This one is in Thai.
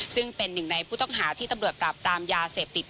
ซึ่งเป็นหนึ่งในผู้ต้องหาที่ตำรวจปราบปรามยาเสพติด